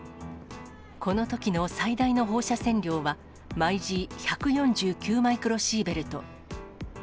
このときの最大の放射線量は、毎時１４９マイクロシーベルト。